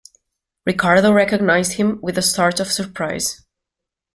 Ricardo recognised him with a start of surprise.